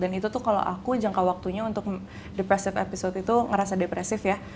dan itu tuh kalau aku jangka waktunya untuk depressive episode itu ngerasa depressive ya